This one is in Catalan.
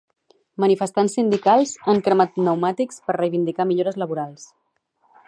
Manifestants sindicals han cremat pneumàtics per reivindicar millores laborals.